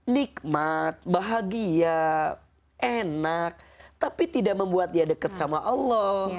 nikmat bahagia enak tapi tidak membuat dia dekat sama allah